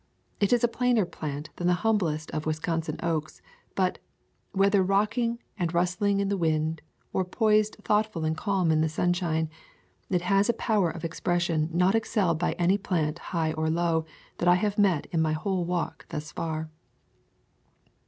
It is a plainer plant than the humblest of Wisconsin oaks; but, whether rock ing and rustling in the wind or poised thought ful and calm in the sunshine, it has a power of expression not excelled by any plant high or low that I have met in my whole walk thus far.